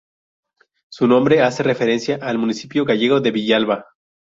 Su nombre hace referencia al municipio gallego de Villalba.